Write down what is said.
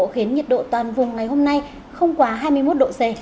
khiến nhiệt độ toàn vùng ngày hôm nay không quá hai mươi một độ c